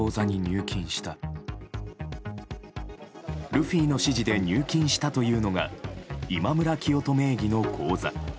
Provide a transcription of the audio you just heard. ルフィの指示で入金したというのがイマムラ・キヨト名義の口座。